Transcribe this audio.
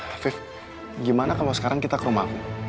afif gimana kalo sekarang kita ke rumahku